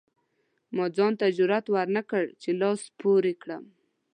ما ځان ته جرئت ورنکړ چې لاس پورې کړم.